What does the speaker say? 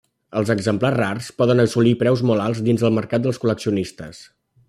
Els exemplars rars poden assolir preus molt alts dins el mercat dels col·leccionistes.